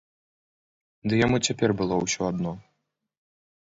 Ды яму цяпер было ўсё адно.